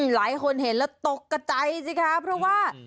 หลายคนเห็นแล้วตกกระใจจริงรู้หรือว่า